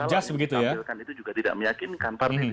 kalau diambilkan itu juga tidak meyakinkan partai ini